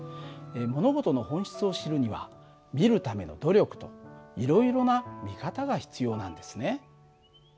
物事の本質を知るには見るための努力といろいろな見方が必要なんですね。